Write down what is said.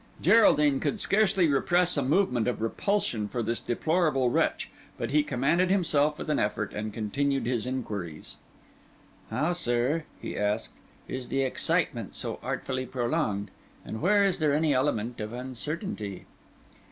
Geraldine could scarcely repress a movement of repulsion for this deplorable wretch; but he commanded himself with an effort, and continued his inquiries. "How, sir," he asked, "is the excitement so artfully prolonged? and where is there any element of uncertainty?"